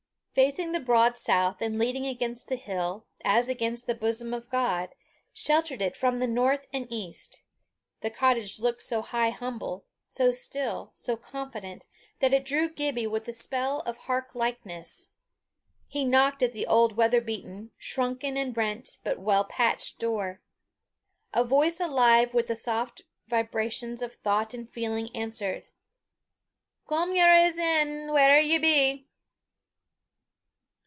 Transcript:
Facing the broad south, and leaning against the hill, as against the bosom of God, sheltering it from the north and east, the cottage looked so high humble, so still, so confident, that it drew Gibbie with the spell of heart likeness. He knocked at the old, weather beaten, shrunk and rent, but well patched door. A voice, alive with the soft vibrations of thought and feeling, answered, "Come yer wa's in, whae'er ye be."